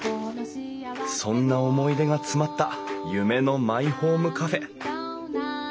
そんな思い出が詰まった夢のマイホームカフェ。